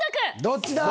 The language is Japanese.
どっちだ？